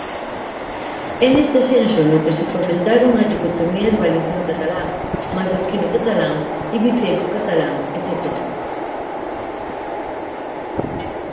É neste senso no que se fomentaron as dicotomías valenciano-catalán, mallorquino-catalán, ibicenco-catalán etcétera.